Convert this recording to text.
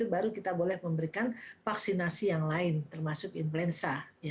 baru kita boleh memberikan vaksinasi yang lain termasuk influenza